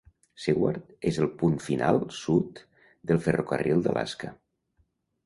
Seward és el punt final sud del ferrocarril d'Alaska.